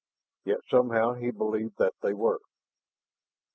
Yet somehow he believed that they were.